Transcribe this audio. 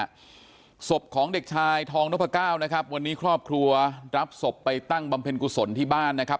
ศพของเด็กชายทองนพก้าวนะครับวันนี้ครอบครัวรับศพไปตั้งบำเพ็ญกุศลที่บ้านนะครับ